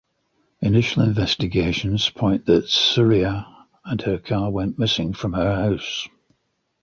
Initial investigations point that Surya and her car went missing from her house.